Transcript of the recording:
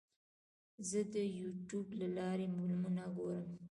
زه د یوټیوب له لارې فلمونه ګورم.